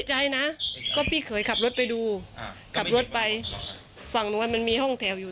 ใจนะก็พี่เคยขับรถไปดูอ่าขับรถไปฝั่งนู้นมันมีห้องแถวอยู่